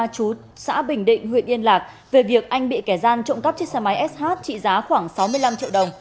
chú xã bình định huyện yên lạc về việc anh bị kẻ gian trộm cắp chiếc xe máy sh trị giá khoảng sáu mươi năm triệu đồng